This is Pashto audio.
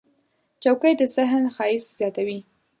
چوکۍ د صحن ښایست زیاتوي.